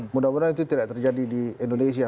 mudah mudahan itu tidak terjadi di indonesia